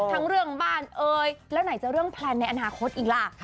ทั้งเรื่องบ้านเอ่ยแล้วไหนจะเรื่องแพลนในอนาคตอีกล่ะ